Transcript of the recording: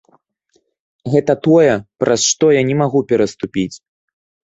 Гэта тое, праз што я не магу пераступіць.